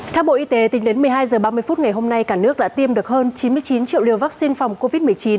theo bộ y tế tính đến một mươi hai h ba mươi phút ngày hôm nay cả nước đã tiêm được hơn chín mươi chín triệu liều vaccine phòng covid một mươi chín